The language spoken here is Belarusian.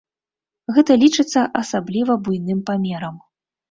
Гэта лічыцца асабліва буйным памерам.